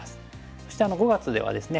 そして５月ではですね